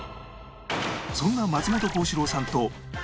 そんな松本幸四郎さんとちさ子さん